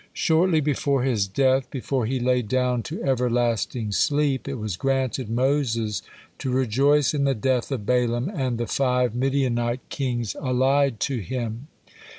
Shortly before his death, before he lay down to everlasting sleep, it was granted Moses to rejoice in the death of Balaam and the five Midianite kings allied to him.